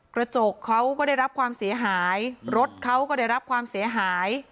กระจกเขาก็ได้รับความเสียหายรถเขาก็ได้รับความเสียหาย